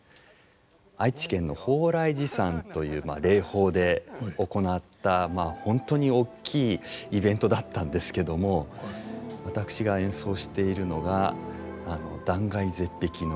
愛知県の鳳来寺山という霊峰で行った本当に大きいイベントだったんですけども私が演奏しているのが断崖絶壁の。